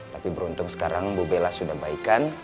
tapi beruntung sekarang bu bella sudah baikan